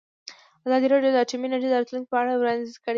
ازادي راډیو د اټومي انرژي د راتلونکې په اړه وړاندوینې کړې.